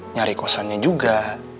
nyari kosannya juga